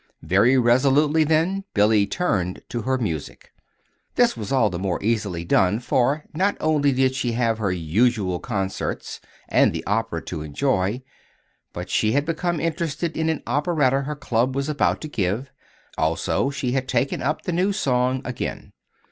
Very resolutely, then, Billy turned to her music. This was all the more easily done, for, not only did she have her usual concerts and the opera to enjoy, but she had become interested in an operetta her club was about to give; also she had taken up the new song again.